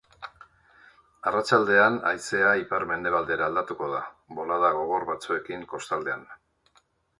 Arratsaldean, haizea ipar-mendebaldera aldatuko da, bolada gogor batzuekin kostaldean.